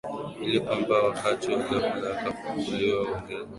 ili kwamba wakati wa ghafla akafufuliwa angeweza kusukuma uso wake nao